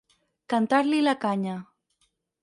Cantar-li la canya.